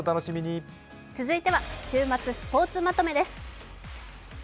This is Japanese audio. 続いては週末スポーツまとめです。